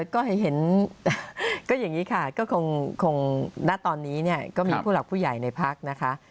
ก็เห็นก็อย่างนี้ค่ะก็คงณตอนนี้เนี่ยก็มีผู้หลักผู้ใหญ่ในพักนะคะ